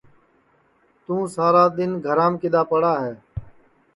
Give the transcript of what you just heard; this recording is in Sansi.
توں سارا دؔن گھرام کِدؔا پڑا ہے